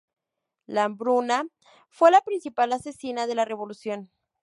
La hambruna fue la principal asesina de la revolución.